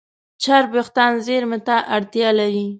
چرب وېښتيان زېرمه ته اړتیا لري.